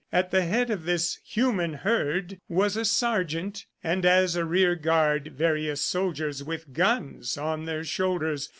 At the head of this human herd was a sergeant, and as a rear guard, various soldiers with guns on their shoulders.